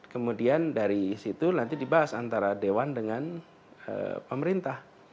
kemudian dari situ nanti dibahas antara dewan dengan pemerintah